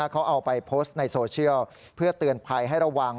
เขาเอาไปโพสต์ในโซเชียลเพื่อเตือนภัยให้ระวัง